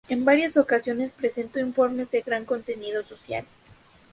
En varias ocasiones presentó informes de gran contenido social.